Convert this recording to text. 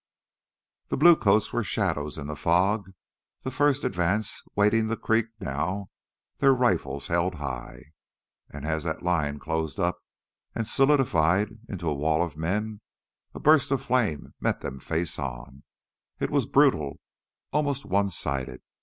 The blue coats were shadows in the fog, the first advance wading the creek now, their rifles held high. And as that line closed up and solidified into a wall of men, a burst of flame met them face on. It was brutal, almost one sided.